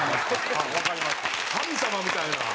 神様みたいな。